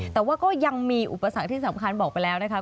แต่ว่าก็ยังมีอุปสรรคที่สำคัญบอกไปแล้วนะคะ